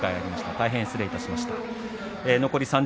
大変失礼しました。